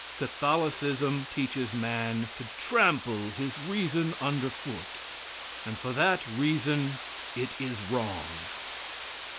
Catholicism teaches man to trample his reason under foot. And for that reason, it is wrong.